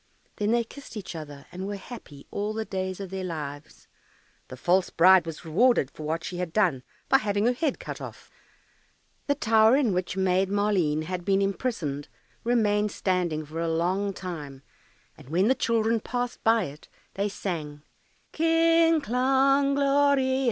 Then they kissed each other, and were happy all the days of their lives. The false bride was rewarded for what she had done by having her head cut off. The tower in which Maid Maleen had been imprisoned remained standing for a long time, and when the children passed by it they sang, "Kling, klang, gloria.